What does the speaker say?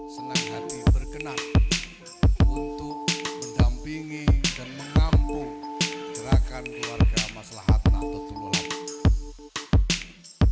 senang hati berkenan untuk mendampingi dan mengampung gerakan keluarga mas lahat nato tulu lampung